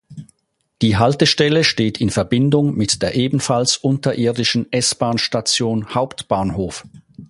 Die Haltestelle steht in Verbindung mit der ebenfalls unterirdischen S-Bahn-Station Hauptbahnhof.